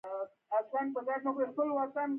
تور بازار د قانوني اقتصاد لپاره ګواښ دی